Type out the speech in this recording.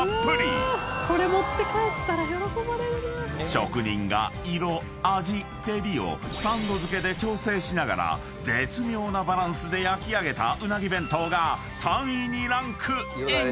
［職人が色味照りを３度づけで調整しながら絶妙なバランスで焼き上げたうなぎ弁当が３位にランクイン！］